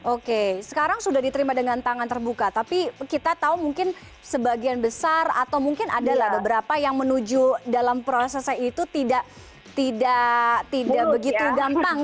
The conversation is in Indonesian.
oke sekarang sudah diterima dengan tangan terbuka tapi kita tahu mungkin sebagian besar atau mungkin adalah beberapa yang menuju dalam prosesnya itu tidak begitu gampang